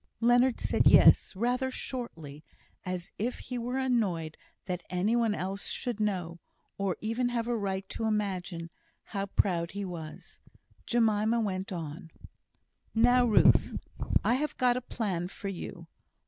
Leonard said "Yes," rather shortly, as if he were annoyed that any one else should know, or even have a right to imagine, how proud he was. Jemima went on: "Now, Ruth! I have got a plan for you.